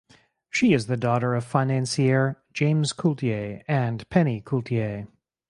She is the daughter of financier James Coulter and Penny Coulter.